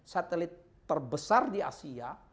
satelit terbesar di asia